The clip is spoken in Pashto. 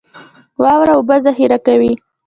واوره اوبه ذخیره کوي